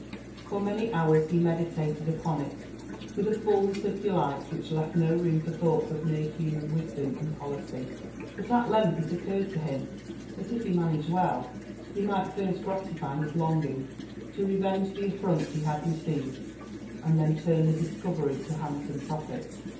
' For many hours he meditated upon it with a fulness of delight which left no room for thoughts of mere human wisdom and pqlicy ; but at length it occurred to him, that if he managed well, he might first gra tify his longing to revenge the afiVont he had received, and then turn the discovery to handsome profit.